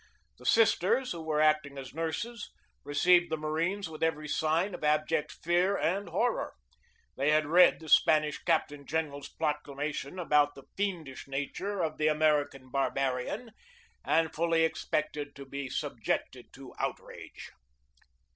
The sisters, who were acting as nurses, received the marines with every sign of abject fear and horror. They had read the Spanish captain general's proclamation about the fiendish nature of the American barbarian, and fully expected to be subjected to outrage.